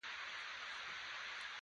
وروسته پوه شو چې ټوکې یې کولې.